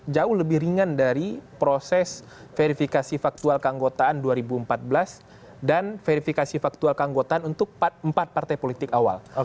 jauh lebih ringan dari proses verifikasi faktual keanggotaan dua ribu empat belas dan verifikasi faktual keanggotaan untuk empat partai politik awal